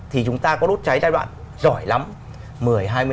thì chúng ta có đốt cháy giai đoạn giỏi lắm